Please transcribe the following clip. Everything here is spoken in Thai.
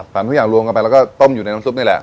ทุกอย่างรวมกันไปแล้วก็ต้มอยู่ในน้ำซุปนี่แหละ